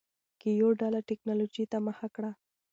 کیو ډله ټکنالوجۍ ته مخه کړه.